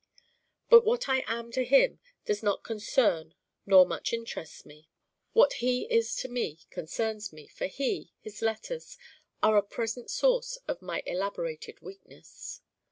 But what I am to him does not concern nor much interest me. What he is to me concerns me, for he his letters are a present source of my elaborated Weakness.